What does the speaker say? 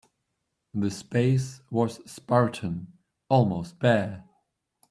The space was spartan, almost bare.